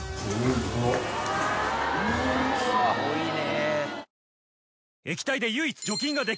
すごいね。